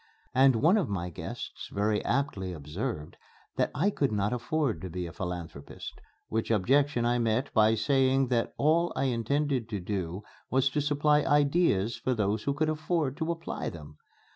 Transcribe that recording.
And one of my guests very aptly observed that I could not afford to be a philanthropist, which objection I met by saying that all I intended to do was to supply ideas for those who could afford to apply them.